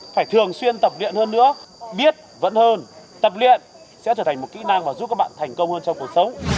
phải thường xuyên tập luyện hơn nữa biết vẫn hơn tập luyện sẽ trở thành một kỹ năng và giúp các bạn thành công hơn trong cuộc sống